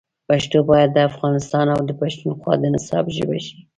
پښتو باید د افغانستان او پښتونخوا د نصاب ژبه شي.